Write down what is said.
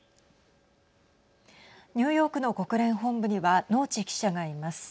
ニューヨークの国連本部には能智記者がいます。